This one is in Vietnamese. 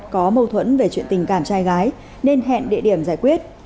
có mâu thuẫn về chuyện tình cảm trai gái nên hẹn địa điểm giải quyết